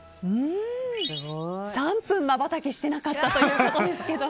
３分まばたきしていなかったということですけど。